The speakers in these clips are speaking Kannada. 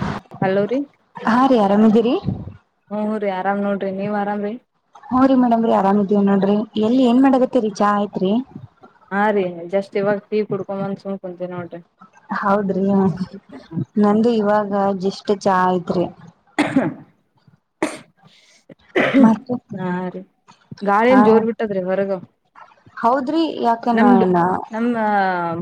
ಹ ಹಲೋ ರೀ ಹಾ ರೀ ಆರಾಮ್ದೀರಿ. ಹ್ಮ್ ರಿ ಆರಾಮ ನೋಡ್ರಿ ನೀವ್ ಆರಾಮ್ರೀ. ಹ್ಮ್ ರಿ ಮೇಡಮ್ರಿ ಆರಾಮ ಇದೀವಿ ನೋಡ್ರಿ ಎಲ್ಲಿ ಏನ್ ಮಾಡಗತಿರಿ ಚಾ ಆಯ್ತ್ರಿ. ಹಾ ರೀ ಜಸ್ಟ್ ಇವಾಗ ಟೀ ಕುಡ್ಕೊಂಡ ಬಂದ್ ಸುಮ್ ಕುಂತೀನಿ ನೋಡ್ರಿ. ಹೌದ್ರಿ ಹ ನಂದು ಇವಾಗ ಜಷ್ಟ್ ಚಾ ಆಯಿತ್ರಿ. [unintelligible] ಹಾ ಮತ್ತೆ ರೀ ಗಾಳಿ ಹ ಒಂದ್ ಜೋರ್ ಬಿಟ್ಟದ್ರಿ ಹೊರಗ. ಹೌದ್ರಿ ಯಾಕ ನಮ್ದು ನಮ್ ಹ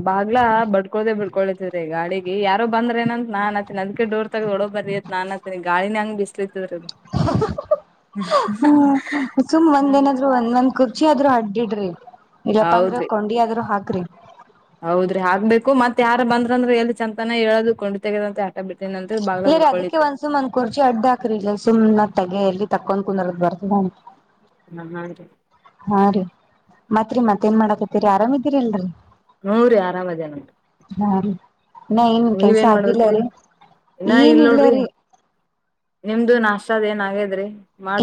ಬಾಗ್ಲಾ ಬಡ್ಕೊಳದೆ ಬಿಡ್ಕೊಳ್ತ್ರೀ ಗಾಳಿಗಿ ಯಾರೋ ಬಂದ್ರೇನಂತ ನಾ ಅನ್ನತೀನಿ ಅದಿಕ್ಕೆ ಡೋರ್. ತಗದ ಒಳಗ್ ಬರ್ರಿ ಅತ್ ನಾ ಅನ್ನತೀನಿ ಗಾಳಿನೆ ಹಂಗ ಬಿಸ್ಲತದ್ರೀದು. ಸುಮ್ ಹಾ ರಿ ಒಂದೇನಾದ್ರು ಒಂದ್ ಒಂದ್ ಕುರ್ಚಿ ಆದ್ರೂ ಅಡ್ಡಿಡ್ರಿ ಇಲ್ಲಪ್ಪ ಅಂದ್ರ ಹೌದ್ರಿ ಕೊಂಡಿ ಆದ್ರೂ ಹಾಕ್ರಿ. ಹೌದ್ರಿ ಆಗ್ಕ್ಬೇಕು ಮತ್ ಯಾರ ಬಂದ್ರಂದ್ರ ಎಲ್ಲಿ ಚೆಂತನ ಏಳದು ಕೊಂಡಿ ತೆಗದಂತೆ ಅ ಬಿಟ್ಟೆನ ಅಂತೆ ಬಾಗಲ ಬಡ್ಡ್ಕೊಳಿತ. ಸುಮ್ನ್ ಒಂದ್ ಕುರ್ಚಿ ಅಡ್ಡ ಹಾಕ್ರಿ ಇಲ್ಲ ಸುಮ್ಮ್ನ ತೆಗೆ ಎಲ್ಲಿ ತಕೊಂಡ್ ಕುಂದರದ ಬರ್ತ ಹ್ಮ ಹಾ ರೀ ಹಾ ರೀ ಮತ್ರಿ ಮತ್ತೇನ್ ಮಾಡಾಕತ್ತೀರಿ ಆರಾಮ್ ಇದ್ದಿರಲ್ರಿ. ಹ್ಮ್ ರಿ ಆರಾಮ ಅದೇನ್ ನೋಡ್ರಿ. ಹಾ ರೀ ಹಿನಾ ಏನ್ ಕೆಲ್ಸ ನೀವೇನ್ ಮಾಡ್ಬೇಕ್ರಿ ಆಗಿಲ್ಲರಿ ಇನ್ನ ಏನ ಇಲ್ ನೋಡ್ರಿ ಇಲ್ಲರಿ. ನಿಮ್ದು ನಾಷ್ಟ ಅದ್ ಏನ್ ಆಗ್ಯದ್ರಿ.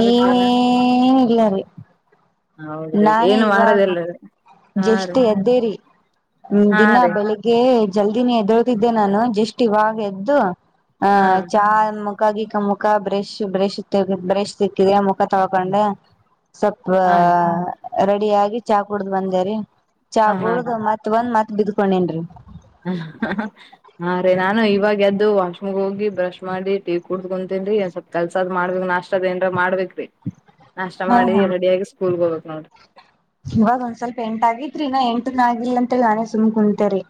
ಎನ ಇಲ್ಲಾರಿ. ಹೌದ್ರಿ ನಾನೇ ಏನ್ ಇವಾಗ ಮಾಡದಿಲ್ರಿ ಹಾ ರೀ ಜಷ್ಟ್ ಎದ್ದೇರಿ ಹಾ ದಿನ ರೀ ಬೆಳಿಗ್ ಗೆ ಜಲ್ದಿನೆ ಎದಳ್ತಿದ್ದೆ ನಾನು ಜಸ್ಟ್ ಇವಾಗ ಎದ್ದು ಹಾ ಆಹ ಚಾ ಮುಕ ಗಿಕ ಮುಕ ಬ್ರೇಶ ಬ್ರೇಶ ತೆಗದ ಬ್ರೇಶ್ [unintelligible] ತಿಕ್ಕಿದ್ಯ ಮುಖ ತೊಳಕೊಂಡ್ಯ ಸ್ವಪ ಹಾ ರೆಡಿ ಆಗಿ ಚಾ ಕುಡ್ದ್ ಬಂದೇರಿ ಚಾ ಹಾ ಹಾ ಕುಡ್ದ್ ರೀ ಮತ್ ಬಂದ್ ಮತ್ ಬಿದ್ಕೊಂಡಿನ್ರಿ. ಹ್ ಹಹ. ಹಾ ರೀ ನಾನು ಇವಾಗ ಎದ್ದು ವಾಶ್ರೂಮ್ಗೋಗಿ ಬ್ರಶ್ ಮಾಡಿ ಟೀ ಕುಡ್ದ್ ಕುಂತೇನ್ರೀ ಸ್ವಲ್ಪ ಕೆಲ್ಸ ಅದ್ ಮಾಡ್ಬೇಕ್ ನಾಷ್ಟ ಅದ್ ಏನ್ರ ಮಾಡ್ಬೇಕ್ರಿ ನಾಷ್ಟ ಹಾ ಮಾಡಿ ಹಾ ರೆಡಿಯಾಗಿ ಸ್ಕೂಲ್ ಹೋಗ್ಬೇಕ್ ನೋಡ್ರಿ‌. ಇವಾಗ ಒಂದ್ ಸ್ವಲ್ಪ ಎಂಟ್ ಆಗೇತ್ರಿ ಇನ್ನಾ ಎಂಟನ ಆಗಿಲ್ ಅಂತೇಳ್ ನಾನೇ ಸುಮ್ ಕುಂತೇರಿ.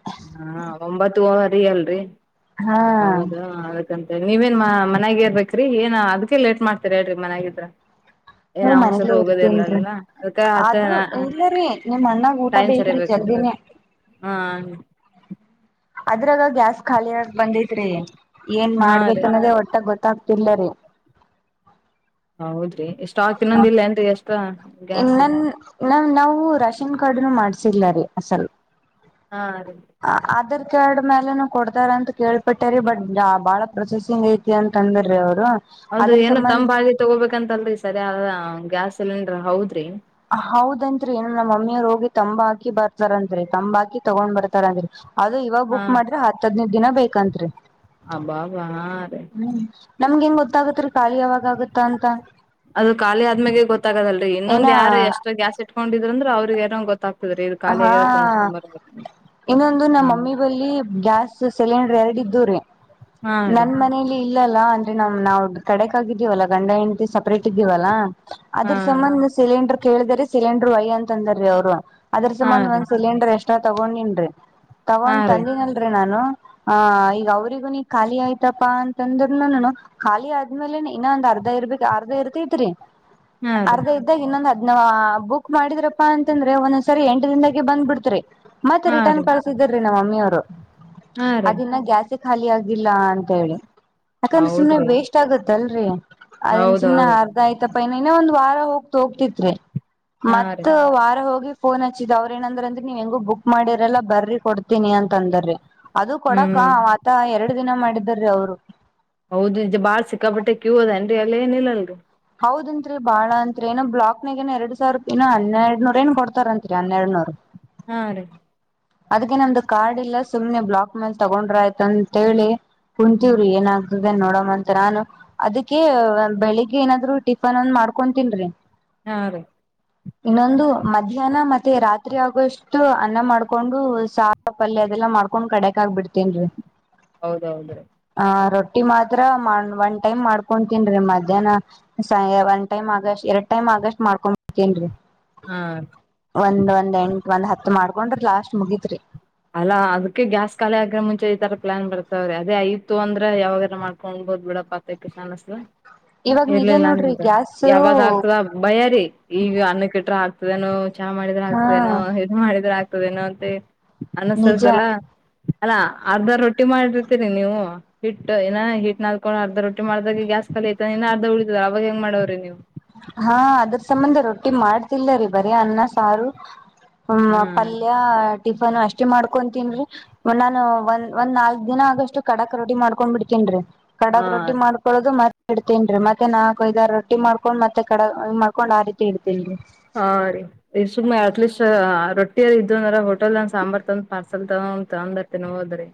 ಹಾ ಒಂಬತ್ತು ವರಿ ಅಲ್ರಿ ಹಾ ಹೋಗದು ಹಾ ನೀವೇನ್ ಮಾ ಮನೆಗೆ ಇರ್ರ್ಬೇಕ್ರಿ ಏನ್ ಅದ್ಕ್ಕೆ ಲೇಟ್ ಮಾಡ್ತೀರ್ ಹೇಳ್ರಿ ಮನ್ಯಾಗಿದ್ರ. ಹ್ಮ ಏನ್ ಅವ್ನ್ಸರ್ ಮನ್ಲೇ ಇರ್ತಿನ್ರಿ ಹೋಗೋದಿಲ್ಲಲ್ಲ ಅದಕ್ಕ ಆತ ಆದ್ರ ಇಲ್ಲರಿ ನಿಮ್ಮ್ ಅಣ್ಣಾಗ್ ಊ ಊಟ ಟೈಮ್ ಬೇಕ್ರಿ ಸರಿಬೇಕು ಜಲ್ದಿನೆ. ಹಾ. ಅದ್ರೆ ಇವಾಗ್ ಗ್ಯಾಸ್ ಖಾಲಿ ಆಗಾಕ್ ಬಂದೆತ್ರಿ ಏನ್ ಹಾ ರೀ ಮಾಡ್ಬೇಕನೋದೆ ಒಟ್ಟಾಗ್ ಗೊತ್ತಾಗ್. ತಿಲ್ಲ ರೀ. ಹೌದ್ರಿ ಸ್ಟಾಕ್ ಇನ್ನೊಂದ್ ಇಲ್ಲೇನ್ರಿ ಎಕ್ಸ್ಟ್ರಾ. ಇನನ್ ನಾ ನಾವು ರಾಷನ್ ಕಾರ್ಡ್ ಇನು ಮಾಡ್ಸಿಲ್ಲ ರೀ ಅಸಲ್ ಹಾ ರೀ. ಆಧಾರ್ ಕಾರ್ಡ್ ಮೇಲೆನುೂ ಕೊಡ್ತಾರಂತ್ ಕೇಳ್ಪಟ್ಟೆ ರೀ ಬಟ್ ಬಹಳ ಪ್ರೊಸೆಸಿಂಗ್ ಐತ್. ಅಂತ್ ಅಂದರೀ ಅವ್ರು. ಹೌದು ಅದ್ರ ಏನೊ ಸಂಬಂಧ ತಂಬಗಿ ತಗೋಬೇಕಂತಲ್ರಿ ಸರ್ಯ ಗ್ಯಾಸ್ ಸಿಲೆಂಡ್ರ್ ಹೌದ್ರಿ. ಹವ್ದಂತ್ರಿ ಏನು ನಮ್ ಮಮ್ಮಿಯರ್ ಹೋಗಿ ತಂಬ್ ಹಾಕಿ ಬರ್ತರಂತ್ರಿ ತಂಬಕಿ ತಗೊಂಡ್ ಬರ್ತಾರನ್ರಿ. ಅದು ಇವಾಗ ಹಾ ಬುಕ್ ಮಾಡಿದ್ರೆ ಹತ್ ಹದ್ನೈದ್ ದಿನ ಬೇಕಂತ್ರಿ. ಅಬಾಬಾ ಹ್ಮ ನಮ್ಗೆಂಗ್ ಗೊತ್ತಾಗತ್ರಿ. ಖಾಲಿ ಯಾವಾಗಾಗುತ ಅಂತ ಅದು ಖಾಲಿ ಆದ್ಮ್ಯಾಗೆ ಗೊತ್ತಾಗದಲ್ರರಿ ಏನ. ಇನ್ನೊಂದ್ ಯಾರು ಎಷ್ಟ ಗ್ಯಾಸ್ ಇಟ್ಕೊಂಡಿದ್ರು ಅಂದ್ರ ಅವ್ರಿಗೆನೊ ಗೊತ್ತಾಗ್ತಿದ್ರಿ ಇದು ಹಾ ಖಾಲಿಯಾಗೆದ ತುಂಬುಸ್ಕೋ ಬರಬೇಕು ಇನ್ನೊಂದು ನಮ್ ಮಮ್ಮಿ ಬಳಿ ಗ್ಯಾಸ್ ಸಿಲಿಂಡರ್ ಎರಡ್ ಇದ್ವು ರೀ ಹಾ ರೀ ನನ್ ಮನಲಿ ಇಲ್ಲಲ್ಲಾ ಅಂದ್ರೆ ನಮ್ ನಾವ್ ಕಡೆಕಾಗಿದ್ದೀವಲ್ಲಾ ಗಂಡ ಹೆಂಡ್ತಿ ಸಪ್ರೇಟ್ ಇದ್ದೀವಲ್ಲಾ. ಹಾ ಅದ್ರ ರೀ ಸಂಬಂಧ ಸಿಲಿಂಡ್ರ ಕೇಳಿದೇ ರೀ ಸಿಲಿಂಡ್ರು ವಯಿ ಅಂತಂದಾರೀ ಅವ್ರು‌. ಅದ್ರ ಸಂಬಂಧ ಒಂದ್ ಸಿಲಿಂಡರ್ ಎಕ್ಟ್ರಾ ತಗೊಂಡಿನ್ರಿ ಹಾ ತಗೊಂಡ್ ರೀ ತಂದಿನಲ್ರಿ ನಾನು. ಆ ಈಗ ಅವ್ರಿಗೂ ನಿನ್ ಖಾಲಿ ಆಯ್ತಪಾ ಅಂತಂದ್ರನುನೂ. ಖಾಲಿ ಆದ್ಮೇಲೆನೆ ಇನ್ನು ಒಂದ್ ಅರ್ಧ ಇರ್ಬೇಕ್ ಅರ್ಧ ಇರ್ತೈತ್ರಿ. ಹಾ ರೀ ಅರ್ಧ ಇದ್ದಾಗ್ ಇನ್ನೊಂದ್ ಹದ್ನ ಬುಕ್ ಮಾಡಿದ್ರಪ್ಪಾ ಅಂತಂದ್ರೆ ಒ ಸರಿ ಎಂಟ್ ದಿಂದಾಗಿ ಬಂದ್ ಬಿಡ್ತ್ರಿ ಮತ್ ಹಾ ರಿಟರ್ನ್ ರೀ ಹಾ ರೀ ಕಳಸಿದಿರೀ ನಮ ಮಮ್ಮಿಯಾರು. ಹಾ ರೀ ಅದಿನ್ನಾ ಗ್ಯಾಸೇ ಖಾಲಿ ಆಗಿಲ್ಲ ಅಂತ ಹೇಳಿ ಯಾಕಂದ್ರೆ ಸುಮ್ಮನೆ ಹೌದ್ರಿ ವೇಸ್ಟ್ ವೆಷ್ಟಗುತ್ ಆಗುತ್ತಲ್ರಿ ಅದನ್ ಸುಮ್ಮನೆ ಹೌದೌದ್ರೀ ಆರ್ಧ ಆಯ್ತ ತ್ತಪ್ಪ ಇನ ನಾ ಒಂದ್ ವಾರ ಹೋಗತ ಹೋಗ್ತಿತ್ರಿ ಹಾ ರೀ ಮತ್ ವಾರ ಹೋಗಿ ಫೋನ್ ಹಚ್ಚಿದ್ ಅವ್ರ್ ಏನಂದ್ರ ಅಂದ್ರೆ ನೀವ್ ಹೆಂಗು ಬುಕ್ ಮಾಡಿರಲ್ಲ ಬರ್ರಿ ಕೊಡ್ತೀನಿ ಅಂತ ಅಂದ ರೀ. ಅದು ಕೊಡಕ್ಕ ಹ್ಮ್ ಆತ ಎರಡ್ ದಿನ ಮಾಡಿದರೀ. ಅವ್ರು. ಹೌದು ಇದ್ ಬಾಳ್ ಸಿಕ್ಕಾಪಟ್ಟೆ ಕ್ಯೂ ಅದೇನ್ರಿ ಅಲ್ಲ ಏನ್ ಇಲಲ್. ರಿ ಹೌದಂತ್ರಿ ಬಾಳ ಅಂತ್ರಿ ಏನ ಬ್ಲಾಕ್ನಾಗೇನಾ ಎರಡ್ ಸಾವ್ರುಕಿನ ಇನ ಹೆರಡ್ನೂರನೂ ಕೊಡತಾರಂತರಿ ಹನ್ನೆರಡ್ನೂರ್. ಹಾ ರೀ. ಅದ್ಕೆ ನಮ್ದು ಕಾರ್ಡ್ ಇಲ್ಲ ಸುಮ್ನೆ ಬ್ಲಾಕ್ ಮೇಲ್ ತಗೊಂಡ್ರಯ್ತ ಅಂತ ಹೇಳಿ. ಹ್ಮ್ ಕುಂತಿವ್ರಿ ಏನಾಗ್ತದೆ ನೋಡಮಂತ ನಾನು ಅದಕೆ ನನ್ ಬೆಳಿಗೆ. ಈಗ ಏನಾದ್ರು ಟಿಫನ್ ಒಂದ್ ಮಾಡ್ಕೊಂತನ್ರಿ. ಹಾ ರೀ ಇನ್ನೊಂದು ಮಧ್ಯಾಹ್ನ ಮತ್ತೆ ರಾತ್ರಿ ಆಗುವಷ್ಟು ಅನ್ನ ಮಾಡ್ಕೊಂಡು ಸರ್ ಪಲ್ಯ ಅದೆಲ್ಲಾ ಮಾಡ್ಕೊಂಡ್ ಕದೇಖಾಗ್ ಬಿಡ್ತಿನ್ರಿ. ಹೌದೌದು ಹ ರೊಟ್ಟಿ ಮಾತ್ರ ಒನ್ ಟೈಮ್ ಮಾಡ್ಕೊತನ್ರಿ ಮಧ್ಯಾಹ್ನ ಸ ಒನ್ ಟೈಮ್ ಆಗಸ್ಟ್ ಎರಡ್ ಟೈಮ್ ಆಗಸ್ಟ್ ಮಾಡ್ಕೊಂಡ್ಂಬಡ್ತನ್ೀ ಹಾ ಒಂದ್ ಒಂದ್ ಎಂಟ ಒಂದ್ ಹತ್ ಮಾಡ್ಕೊಂಡ್ರ ಲಾಸ್ಟ್ ಮುಗತ್ರಿ ಅಲ್ಲ ಅದಕ್ಕೆ ಗ್ಯಾಸ್ ಖಾಲಿ ಆಗ ಮುಂಚೆ ಈ ತರ ಪ್ಲಾನ್ ಬರ್ತಾವ್ರೀ ಅದೇ ಆಯ್ತ್ತು ಅಂದ್ರ ಯಾವಾಗಾರ ಮಾಡ್ಕೊೊಂಡಬೋದು ಬಿಡಪ್ಪ ಇವಾಗ ನಿಜ ಇರ್ಲಿಲ್ಲ ನೋಡ್ರಿ ನಿಂದ್ ಗ್ಯಾಸ್ ಯಾವಾಗ ಆಗ್ತದ ಬಯ್ಯಾರಿ ಈಗ ಅನ್ನ ಕೆಟ್ರ ಆಕ್ತದೇನೋ ಚಾ ಮಾಡಿದ್ರ ಹಾ ಆಕ್ತದೇನೋ ಮಾಡಿದ್ರ ಆಗ್ತದೆಏನೋ ಅತ್ತೆ ನಿಜ ಅನ್ನಸದಲ್ಲ ಅಲ್ಲ ಅರ್ಧ ರೊಟ್ಟಿ ಮಾಡಿರ್ತೀರಿ ನೀವು ಹಿಟ್ ಏನ ಹೀಟ್ ನಲ್ಕೊಂಡು ಅರ್ಧ ರೋಟ್ಟಿ ಮಾಡ್ದಾಗ ಗ್ಯಾಸ್ ಕಾಲ ಐತಾನ ಇ ಅರ್ಧ ಉಳಿತದಾರ ಅವಾಗ ಹೆಂಗ ಮಾಡವ್ರೀ ನೀವು ಹಾ ಅದ್ರ ಸಂಬಂಧ ರೊಟ್ಟಿ ಮಾಡ್ತಿಲ್ಲ್ಲರಿೀ ಬರಿ ಅನ್ನ ಸಾರು ಹ್ಮ ಹಾ ಪಲ್ಯ ಟಿಫನ್ ಅಷ್ಟೇ ಮಾಡ್ಕೊತ್ತಿನ ರೀ ನಾನು ಒಂದ್ ಒಂದ್ ನಾಲ್ಕ್ ದಿನ ಆಗಷ್ಟು ಕಡಾಕ್ ರೋಟಿ ಮಾಡ್ಕೊಂಡ್ ಬಿಡ್ತೇನ್ರೀ ಕಡಕ್ ಹಾ ರೊಟ್ಟಿ ಮಾಡ್ಕೊಳೋದು ಮತ್ತೆ ಇಡ್ತೇನ್ೀ ಮತ್ತೆ ನಾಕಕ್ ಐದ ರೊಟ್ಟಿ ಮಾಡ್ಕೊಂಡ್ ಮತ್ತ ಮತ್ತ ಕಡೆ ಮಾಡ್ಕೊಂಡ್ ಆ ರೀತಿ ಇಡ್ತಿಲ್ಲ [unintelligible] ಹಾ ರೀ ಇ ಸುಮ್ನೆ ಅಟ್ಲೀಸ್ಟ್ ರೊಟ್ಟಿಲ್ಲಿ ಇದ್ದ ಅಂದ್ರ ಹೋಟೆಲ್ ನಂದ್ ಸಾಂಬಾರಾರ್ ತಗೊಂಡ ಪಾರ್ಸಲ್ ತಗೊಂಡ ತಗೊಂಡ ಇರ್ತೇನ ಹೋದ್ರಿ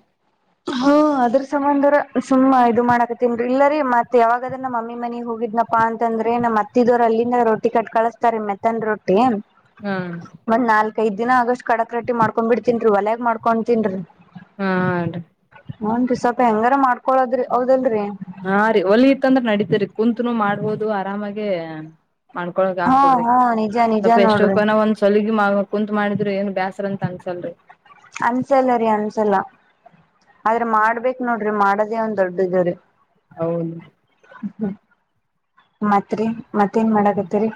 ಹ್ಮ ಅದ್ರ ಸಂಬಂಧರ ಸುಮ್ಮ ಇದು ಮಾಡಾಕತ್ತನ್ರಿ ಇಲ್ಲರಿ ಮತ್ ಯಾವಾಗದನ್ನ ಮಮ್ಮಿ ಮನಿ ಹೋಗಿದ್ನ ಅಪ್ಪಾ ಅಂತಂದ್ರೆ ನಮ್ಮ ಮತ್ತಿದವರು ಅಲ್ಲಿಂದ ರೊಟ್ಟಿ ಕಟ್ ಕಳಸ್ತಾರೆ ಮೆತ್ತನ್ ರೊಟ್ಟಿ ಹಾ ಒಂದ್ ನಾಲ್ಕ ದ್ಿನ ಆಗಷ್ಟ ಕಡಕ್ ರಟ್ಟಿ ಮಾಡ್ಕೊಂಡ ಬಿಡ್ತೀನ್ರಿ ಒಲ್ಯಗ್ ಮಾಡ್ಕೊತೀನ್ರಿ ಹಾ ಆರಿ ಒನ್ ರ ಸ್ವಲ್ಪ ಹೆಂಗಾರ ಮಾಡ್ಕೊಳದ್ರಿ ಹೌದಲ್ರರಿ ಹಾ ರೀ ಹೊಲಿ ಇತ್ತಂದ್ರ ನಡಿತರಿ ಕುಂತನು ಮಾಡ್ಬೋದು ಆರಾಮಾಗೇ ಮಾಡ್ಕೊಳಗ ಹಾ ಆಗ್ತದ್ರಿ ಹಾ ನಿಜ ನಿಜ ಸ್ವಲ್ಪ ಎಷ್ಟೋ ನೋಡ್ರಿ ಕನ ಒಂದ ಸಲಗಿ ಕುಂತ್ ಮಾಡಿದ್ರು ಏನ್ ಬ್ಯಾಸರ ಅಂತ ಅನ್ಸಲ್ರರಿ ಅನ್ಸಲ್ಲ ರೀ ಅನ್ಸಲ್ಲ ಆದ್ರೆ ಮಾಡ್ಬೇಕ್ ನೋಡ್ರಿ ಮಾಡೋದೇ ಒಂದ್ ದೊಡ್ಡ ಇದ್ರೀ ಹೌದು ಹ್ಮ್ ಮತ್ರಿ ಮತ್ತೇನ್ ಮಾಡಕತ್ತರಿ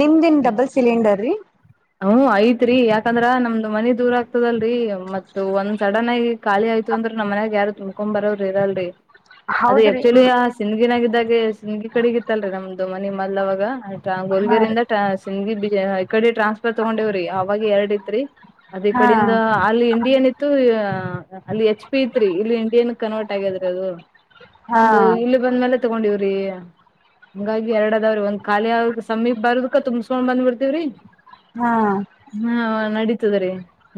ನಿಮ್ದನ್ ಡಬಲ್ ಸಿಲಿಂಡರ್ ರೀ ಹ್ಮ ಐತ್ರಿೀ ಯಾಕಂದ್ರ ನಮ್ದು ಮನಿ ದೂರ ಆಗ್ತದಲ್ರರಿ ಮತ್ತ ಒಂದ್ ಸಡನ್ ಆಗಿ ಖಾಲಿ ಆಯತು ಅಂದ್ರ ನ ಮನೆಗ್ ಯಾರು ತುಂಬ್ಕೊಂಡು ಬರವ್ರ ಇರಲ್ರಿ ಅದು ಹೌದ್ರಿ ಆಕ್ಚುಲಿ ಆ ಸಿಂದಗಿನಾಗಿದ್ದಾಗೆ ಸಿಂದಗಿ ಕಡೆಗಿತ್ತಲ್ರಿ ನಮ್ದು ಮನೆ ಮದ್ಲ್ ಅವಾಗ ಆಯ್ತ ಹಾ ರೀ ಗೋಲ್ಗರಿಯಂದ [unintelligible] ಈ ಕಡೆ ಟ್ರಾನ್ಸ್ಫರ್ ತಗೊಂಡವ್ರಿ ಅವಾಗ ಎರಡ್ ಇತ್ರಿ ಅದ ಈ ಹಾ ಕಡಿಂದ ಅಲ್ಲಿ ಇಂಡಿಯನ್ ಇತ್ತು ಅಲ್ಲಿ ಎಚ್ ಪಿ ಇತ್ರಿ ಇಲ್ಲಿ ಇಂಡಿಯನ್ ಕನ್ವರ್ಟ್ ಆಗ್ಯದ್ರೀ ಅದು ಹಾ ಒಂದು ಇಲ್ಲಿ ಬಂದ್ಮೇಲೆ ತಗೊಂಡಿವ್ರಿ ಹಂಗಾಗಿ ಏಡ ಅದಾವ್ರ ಒಂದ್ ಖಾಲಿ ಆಗ್ ಸಮೀಪ್ ಬಾರದ್ಕ ತುಂಬ್ಸ್ಕೊಂಡ್ ಬಂದ್ ಬಿಡ್ತೇವ್ರಿ ಹ್ಮ ಹಾ ನಡೀತದ ರೀ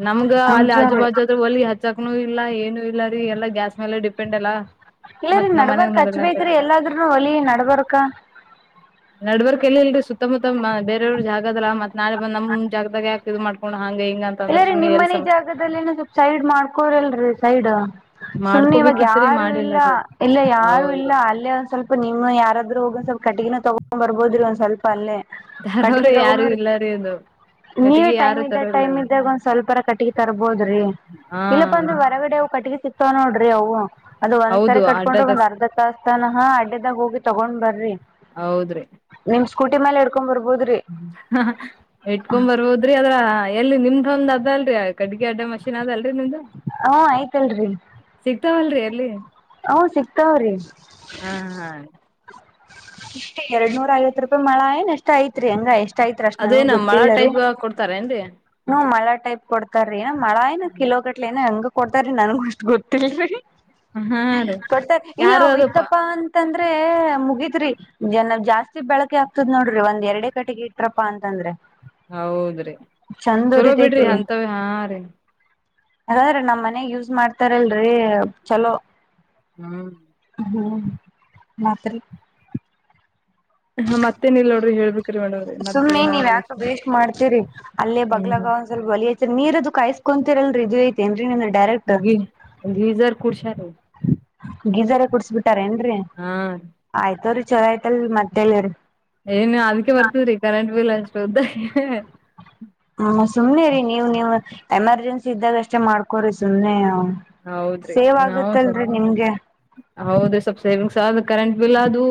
ನಮ್ಗ ಅಲ್ಲಿ ನಿಜ ರೀ ಆಜುಬಾಜು ಹೊಲಿ ಹಚ್ಚಕ್ನುೂ ಇಲ್ಲ ಏನುೂ ಇಲ್ಲ ರೀ ಎಲ್ಲಾ ಗ್ಯಾಸ್ ಮೇಲೆ ಡಿಪೆಂಡ್ ಅಲ್ಲ ಇಲ್ಲರೀ ನಡ್ಬಾರಕ್ ಹಚ್ಬೇಕೇ್ರಿ ಎಲ್ಲಾದ್ರೂನು ಹೊಲಿ ನಡ್ಬಾರಕ ನಡವರ್ಕಲ್ಲಿ ಇಲ್ರರಿ ಸುತ್ತಮುತ್ತ ಬೇರವ್ರ ಜಾಗದಲ್ಲ ಮತ್ ನಾಳೆ ನಮ್ ಜಾಗದಾಗ ಯಾಕ ಇದು ಮಾಡ್ಕೊಂಡು ಹಾಂಗ ಹಿಂಗ ಅಂದ್ರೆ ಸುಮ್ಮನೆ ಎಲ್ಲಿ ಸಮಸ್ಯೆ. ಗದಲ್ಲಿನ ಸ್ವಲ್ಪ ಸೈಡ್ ಮಾಡ್ಕೋರಲ್ರೀ ಸೈಡ್. ಸುಮ್ನೆ ಇವಾಗ ಮಾಡ್ಕೋಬೇಕಿತ್ರಿ ಯಾರು ಮಾಡಿಲ್ಲ ಇಲ್ಲ ರೀ ಇಲ್ಲ ಯಾರು ಇಲ್ಲ ಹೌದ್ರಿ ಅಲ್ಲೇ ಒಂದ್ ಸ್ವಲ್ಪ. ನಿಮ್ ಯಾರಾದ್ರು ಹೋಗ್ ಸ್ವಲ್ಪ ಕಟ್ಟಗಿನೆ ತಗೊಂಡ್ ಬರ್ಬೋದ್ರಿ ಒಂದ ಸ್ವಲ್ಪ ಅಲ್ಲೆ. ಕಟ್ಟಿಗೆ ತರೋರೆ ಯಾರು ತಕೊಬನ್ರಿ ಇಲ್ಲರಿ ಅದು ನೀವ ಕಟ್ಟಿಗಿ ಟೈಮ್ ಯಾರು ಇದಾಗ ತರಲ್ಲ ಟೈಮ್ ಇದಾಗ. ಒಂದ್ ಸ್ವಲ್ಪರ ಕಟ್ಟಿಗೆ ತರ್ಬೋದ್ರಿ ಹಾ ಇಲ್ಲಪ್ಪ ಅಂದ್ರೆ ಹೊರಗಡೆ ಅವು ಕಟ್ಟಿಗೆ ಸಿಕ್ತಾವ ನೋಡ್ರಿ ಅವು. ಅದ ಒಂದ್ಸಾರಿ ಹೌದು ಕಟ್ಕೊಂಡ್ರೆ ಅಡ್ಡದ ಒಂದ್ ಅರ್ಧ ತಾಸತನಹ ಅಡ್ಡದಾಗ ಹೋಗಿ ತಗೊಂಡ್ ಬರ್ರಿ. ಹೌದ್ರಿ. ನಿಮ್ ಸ್ಕೂಟಿ ಮೇಲೆ ಇಡ್ಕೊಂಡ್ ಬರ್ಬೋದ್ರಿ. ಅ ಅದ್ರ ಎಲ್ಲಿ ನಿಮ್ದೊಂದ್ ಅದಲ್ರಿ. ಕಟ್ಟಿ ಅದ ಮಷಿನ್ ಆದದಲ್ರರಿ ನಿಮ್ದ ಹ ಆಯ್ತಲ್ರರಿ ಸಿಗ್ತಾವಲ್ರರಿ ಅಲ್ಲಿ. ಹ ಸಿಕ್ತಾವ್ರಿ. ಹಾಹಾ. ಎಷ್ಟೇ ಎರಡ್ ನೂರ ಐವತ್ತು ರೂಪಾಯಿ ಮಳ ಏನ್ ಎಷ್ಟ ಐತ್ರಿ ಹಂಗ ಎಷ್ಟ್. ಅಷ್ಟಐತ್ ಅಷ್ಟ ನನಗು ಅದೇನ ಮಳ ಗೊತ್ತಿಲ್ಲರೀ. ಟೈಪ್ ಕೊಡ್ತಾರೇನ್ರಿ ಹ ಮಳ ಟೈಪ್ ಕೊಡ್ತಾರೀ ಮಳ ಏನ ಕಿಲೋ ಗಟ್ಲೆ ಏನ ಹೆಂಗ ಕೊಡ್ತಾರೀ ನನ್ಗು ಅಷ್ಟ್ ಗೊತ್ತಿಲ್ರರಿ. ಹಾ ರೀ ಕೊಟ್ಟೆ ಇಲ್ಲ ಯಾರು ಅ ಅದಪ್ಪಾ ಇತ್ತಪ್ಪಾ ಅಂತಂದ್ರೆ ಮುಗಿತ್ರಿ. ಜನ ಜಾಸ್ತಿ ಬೆಳಕೆ ಆಗ್ತದ್ ನೋಡ್ರಿ ಒಂದ್ ಎರಡೆ ಕಟ್ಟಿಗೆ ಇಟ್ರಪ್ಪಾ ಅಂತಂದ್ರೆ. ಹೌದ್ರಿ ಚಂದ್ ಚಲೋ ಬಿಡ್ರಿ ಉರಿತೈತ್ರಿ ಅಂತವ ಹಾ ರೀ. ಹಾಗಾದ್ರೆ ನಮ್ಮ್ ಮನೆ ಯೂಸ್ ಮಾಡ್ತಾರಲ್ರರಿ ಚಲೋ. ಹ್ಮ್ ಹ್ಮ್ ಮಾತ್ರಿ. ಹಾ ಮತ್ತೇ ಇಲ್ರಿ ನೋಡ್ರಿ ಹೇಳಬೇಕು. ಸುಮ್ಮನೆ ನೀವ್ ಯಾಕ ವೇಸ್ಟ್ ಮಾಡ್ತೀರಿ ಅಲ್ಲೇ ಬಗ್ಲಾಗ. ಹ್ಮ್ ಹೋಲಿ ಐತ್ರಿ ನೀರ್ ಅದು ಕಾಯಸ್ಕೊರಲ್ರಿ ಇದು ಐತೆೇನ್ರಿ ನೀನ್ ಡೈರೆಕ್ಟ್ ಗಿರಿಜಾ ಅವ್ರು ಕುರ್ಷಾರ. ಗೀಝರ್ ಕುಡ್ಸ್ ಬಿಟಾರ ಏನ್ರರಿ ಹಾ ಆಯ್ತವ್ರರಿ ಚೊಲೋ ಆಯ್ತಲ್ರಿ ಮತ್ ಹೇಳಿರಿ. ಏನ್ ಅದ್ಕ ಬರ್ತದ್ರಿ ಕರೆಂಟ್ ಬಿಲ್ ಅಷ್ಟು ಉದ್ದ. ಹ್ಮ ಸುಮ್ನೆ ರೀ ನೀವ್ ನೀವು ಎಮರ್ಜೆನ್ಸಿ ಇದ್ದಾಗ ಅಷ್ಟೇ ಮಾಡ್ಕೊರಿ ಸುಮ್ನೆ. ಸೇವ್ ಆಗುತ್ತಲ್ರಿ ನಿಮ್ಗೆ. ಹೌದ ಸ್ವಲ್ಪ್ ಸೇವಿಂಗ್ಸ್ ಆದ ಕರೆಂಟ್ ಬಿಲ್ ಅದು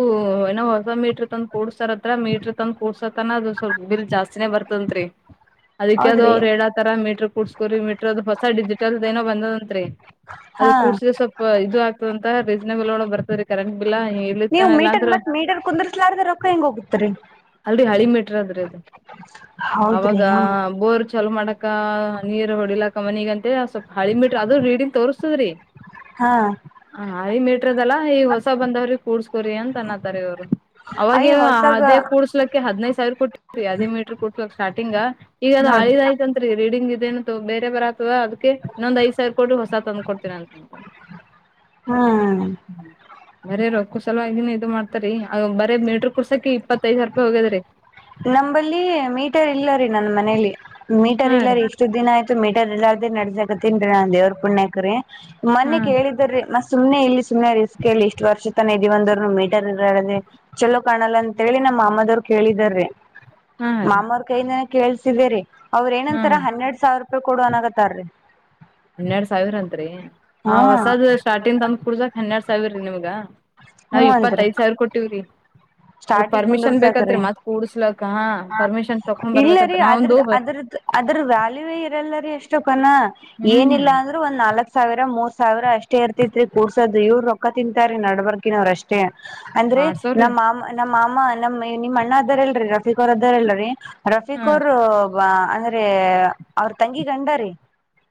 ಏನ ಹೊಸ ಮೀಟ್ರ ತಂದು. ಕೂಡ್ಸರ್ತ್ರ ಮೀಟ್ರ ತಂದ ಕೂಡ್ಸಕನ ಅದು ಸ್ವಲ್ ಬಿಲ್ ಜಾಸ್ತಿನೇ ಬರ್ತನ್ತ್ರಿ. [inaudible] ಅದಕ ಅದು ಅವ್ರು ಹೇಳೋ ತರ ಮೀಟ್ರರ್ ಕುೂಸ್ಕೋ ಮೀಟ್ರ ಅದ್ ಹೊಸ ಡಿಜಿಟಲ್ದ ಏನೋ ಬಂದಂತ್ರಿ. ಅದು ಹಾ ಕೂಡ್ಸಿದ ಸ್ವಲ್ಪ ಇದು ಆಗ್ತದಂತ ರೀಸನೇಬಲ್ ಒಳಗ ಬರ್ತದರೀ ಕರೆಂಟ್ ಬಿಲ್. ನೀವು ಇರ್ಲಿತ್ತಾನಲ್ಲ ಮೀಟರ್ ಅಂದ್ರ ಮತ್ ಮೀಟರ್ ಕುಂದರ್ಸ್ಲಾರ್ದ್ರ ರೊಕ್ಕ ಹೆಂಗ ಹೋಗಿತ್ರಿ. ಅಲ್ರಿ ಹಳೆ ಮೆಟ್ರದ್ರ ಅದು ಅವಾಗ ಹೌದ್ರಿ ಬೋರ್. ಚಲೋ ಮಾಡಾಕ ನೀರ್ ಹೊಡಿಲಾಕ್ಕ ಮನಿಗಂತ ಸ್ವಲ್ಪ ಹಳಿ ಮೀಟ್ರ ಅದ ರೀಡಿಂಗ ತೋರ್ಸ್ತದ್ರಿ. ಹಾ ಹ ಹಳೆ ಮೀಟ್ರದಲ್ಲ ಈಗ ಹೊಸ ಬಂದವ್ರಿ ಕೂಡ್ಸ್ಕೋರಿ ಅಂತ ಅನ್ನತ್ತಾರ ಇವ್ರು. ಅಯ ಅವಾಗ ಹೊಸಗ ಅದೇ ಕೂರಿಸಿ. ಹದಿನೈದು ಸಾವಿರ ಕೊಟ್ಟಯ ಅದೇ ಮೀಟರ್ ಕೊಡ್ಕ್ ಸಾರ್ಟಿಂಗ್ ಈಗ ಅದು ನೋಡ್ರಿ ಹಳೇದು. ರೀಡಿಂಗ್ ಇದೇನ ಬೇರೆ ಬರತದ ಅದಕ್ಕೆ ಇನ್ನೊಂದ ಐದ ಸಾವಿರ ಕೋಡು ಹೊಸ ತಂದು ಕೊಡ್ತೀನೀ. ಹ್ಮ್ ಹ್ಮ ಬರೀ ರೊಕ್ಕಸಲುವಾಗಿನ ಇದು ಮಾಡ್ತಾರಿ ಬರೀ ಮೀಟ್ರ ಕುರಿಸೋಕೆಕ್ಕೆ ಇಪ್ಪತ್ತು ಐದು ಸಾವಿರ. ಹೋಗದ್ರಿ. ನಂಬಲ್ಲಿ ಮೀಟರ್ ಇಲ್ಲ ರೀ ನನ್ ಮನೇಲಿ ಮೀಟರ್ ಇಲ್ಲ ರೀ. ಎಷ್ಟು ದಿನ ಆಯ್ತು ಮೀಟರ್ ಎಲ್ಲಾರ್ದೆ ನಡಸಕತೇನ್ ರೀ ನಾನ್ ದೇವ್ರ ಪುಣ್ಯಾಕ ರೀ ಹಾ ಮನ್ನೆ ಕೇಳಿದ್ದೆ ರಿ ಮಸ್ ಸುಮ್ನೆ ಇಲ್ಲಿ ಸುಮ್ಮನೆ ರಿಸ್ಕ್ ಇಲ್ಲಿ ಇಷ್ಟು ವರ್ಷ ತನ ಇದೀವ್ ಅಂದರುನು ಮೀಟರ್ ಇರಾಡದೆ ಚಲೋ ಕಾಣಲ್ಲ ಅಂತೇಳಿ ನಮ್ಮ ಮಾಮ್ಮದವ್ರು ಕೇಳಿದಾರಿ. ಹಾ ರೀ ಮಾಮವ್ರ ಕೈಯಿಂದನೆ ಕೇಳ್ಸಿದೇರಿ ಅವ್ರ ಹಾ ಏನಂತಾರ ಹನ್ನೆರಡ್ ಸಾವಿರ ರೂಪಾಯಿ ಕೊಡು ಅನ್ನಕತ್ತಾರಿ. ಹನ್ನೆರಡ್ ಸಾವಿರ ಅಂತ್ರಿ ಆ ಹೊಸದ್ ಸ್ಟಾರ್ಟಿಂಗ್ ತಂದ್ ಕುಡ್ಸಕ್ ಹನ್ನೆರಡ್ ಸಾವಿರ ರೀ ನಿಮ್ಗ. ನಾವ್ ಹ್ಮ್ ಅಂತ್ರಿ ಇಪ್ಪತ್ತೈದ್ ಸಾವಿರ ಕೊಟ್ಟಿವ್ರಿ. ಅದ ಸ್ಟಾರ್ಟಿಂಗ್ ಪರ್ಮಿಷನ್ ಬೇಕತ್ರಿ ಕುಂದರ್ಸಾಕ್ರಿ ಮತ್ ಕೂಡ್ಸ್ಲಕ್ಕ ಹ ಪರ್ಮಿಷನ್ ತಕೊಂಡ್ ಇಲ್ಲರಿ ಬರ್ಬೇಕಂತ ನಾವೊಂದು ಅದ್ರದ್ ಅದ್ರದ್ ಅದ್ರ ವ್ಯಾಲ್ಯೂ ಇರಲ್ಲರಿ ಎಷ್ಟು ಕನ ಹ್ಮ್ ಏನಿಲ್ಲ ಹ್ಮ್ ಆನ್ ಒಂದ್ ನಾಲ್ಕ್ ಸಾವ್ರ ಮೂರ್ ಸಾವಿರ ಅಷ್ಟ ಇರ್ತಿತ್ರಿ ಕೂರ್ಸೋದು ಇವ್ರ್ ರೊಕ್ಕಾ ತಿಂತಾರೀ ನಡಬರ್ ಕಿನವ್ರಷ್ಟೇ ಅಂದ್ರೆ ಮಾಡ್ಸೋರ್ರಿ ನಮ್ ಮಾಮ್ ನಮ್ಮ ಮಾಮ ನಮ್ ನಿಮ್ಮ್ ಅಣ್ಣ ಅದಾರ ಇಲ್ರರಿ ರಫೀಕ್ ಅವರ್ ಅದಾರಲ್ರಿ ಹಾ ರಫೀಕ್ ಅವ್ರು ವ ಅಂದ್ರೆ ಅವ್ರ್ ತಂಗಿ ಗಂಡಾರಿ.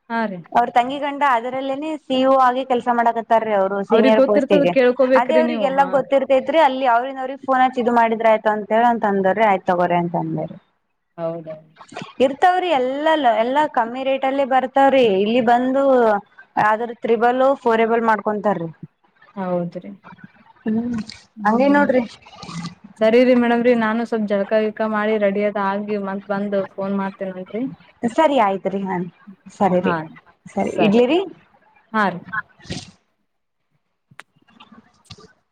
ಹಾ ರೀ ಅವ್ರ ತಂಗಿ ಗಂಡ ಅದರಲ್ಲೇನೆ ಸಿ ಇ ಒ ಆಗಿ ಕೆಲಸ ಮಾಡಕತ್ ತ್ತಾರಿ ಅವ್ರು ಅವ್ರಿಗ್ ಸೀನಿಯರ್ ಗೊತ್ತಿರ್ತದ ಪೋಸ್ಟಿಗೆ ಅದೇ ಕೇಳ್ಕೋಬೇಕ್ರಿ ನೀವು ಅವ್ರಿಗೆಲ್ಲಾ ಹಾ ಗೊತ್ತಿರ್ ತೈತ್ರಿ ಅಲ್ಲಿ ಅವ್ರಿಂದ್ ಅವ್ರಿಗ್ ಫೋನ್ ಹಚ್ ಇದ್ ಮಾಡಿದ್ರಾಯಿತು ಅಂತೇಳಂತ್ ಅಂದೋರಿ ಆಯ್ತ್ ತಗೋರಿ ಅಂದೇರಿ. ಹೌದಾ ಇರ್ತಾವ್ರಿ ಎಲ್ಲಲ್ಲ ಎಲ್ಲಾ ಕಮ್ಮಿ ರೇಟಲ್ಲಿ ಬರ್ತಾವ್ರಿ ಇಲ್ಲಿ ಬಂದು ಆದ್ರ ತ್ರಿಬಲ್ ಫೋರ್ ಎಬಲ್ ಮಾಡ್ಕೊಂತಾರೀ. ಹೌದ್ರಿ ಹ್ಮ್ ಹಂಗೇನ್ ನೋಡ್ರಿ. ಸರಿರಿ ಮೇಡಮ್ರಿ ನಾನು ಸ್ವಲ್ಪ್ ಜಳಕ ಗಿಳಕ ಮಾಡಿ ರೆಡಿಯಾಗ್ ಆಗಿ ಮ ಸರಿ ಆಯ್ತ್ರಿ ನಾನ್ ಸರಿರಿ. ಹಾ ಸರಿ ಇಡ್ಲಿರಿ ಹಾ ರೀ [inaudible]